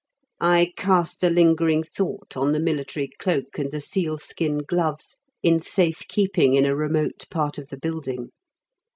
I cast a lingering thought on the military cloak and the seal skin gloves, in safe keeping in a remote part of the building.